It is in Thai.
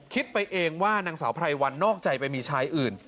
คิดไปเองว่านางสาวไพรวันนอกใจไปมีชายอื่น